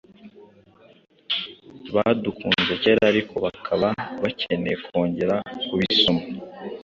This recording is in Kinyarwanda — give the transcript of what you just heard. badukunze kera ariko bakaba bakeneye kongera kubisoma